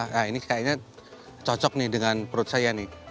nah ini kayaknya cocok nih dengan perut saya nih